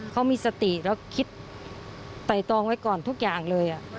เขามีสติแล้วคิดไต่ตองไว้ก่อนทุกอย่างเลย